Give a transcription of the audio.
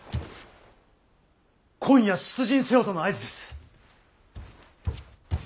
今夜出陣せよとの合図です。